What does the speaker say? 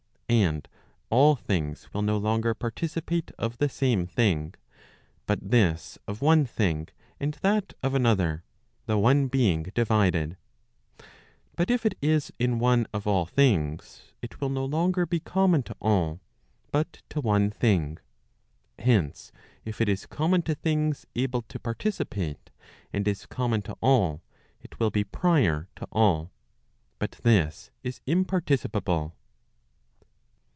And all things will no longer participate of the same thing, but this of one thing, and that of another, the one being divided. But if it is in one of all things, it will no longer be common to all, but to one thing. Hence if it is common to things able to participate, and is common to all, it will be prior to all. But this is imparticipable.